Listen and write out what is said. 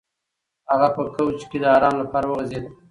هغه په کوچ کې د ارام لپاره وغځېد.